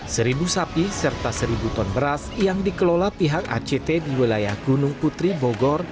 seribu sapi serta seribu ton beras yang dikelola pihak act di wilayah gunung putri bogor